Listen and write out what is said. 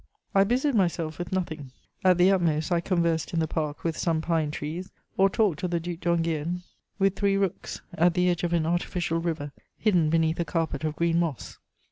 I busied myself with nothing: at the utmost I conversed in the park with some pine trees, or talked of the Duc d'Enghien with three rooks at the edge of an artificial river hidden beneath a carpet of green moss.